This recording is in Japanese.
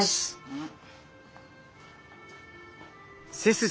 うん。